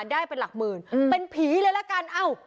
ได้เป็นหลักหมื่นเป็นผีเลยละกัน